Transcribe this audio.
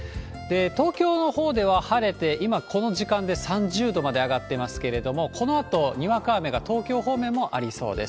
東京のほうでは晴れて、今この時間で３０度まで上がっていますけれども、このあとにわか雨が東京方面もありそうです。